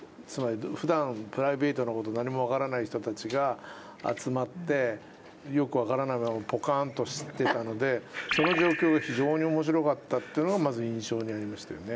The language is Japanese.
普段プライベートのこと何も分からない人たちが集まってよく分からないままポカンとしてたのでその状況が非常に面白かったっていうのがまず印象にありましたよね。